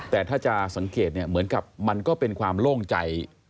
แต่ถ้าจะสังเกตเนี่ยเหมือนกับมันก็เป็นความโล่งใจ